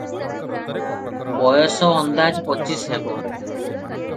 ବୟସ ଅନ୍ଦାଜ ପଚିଶ ହେବ ।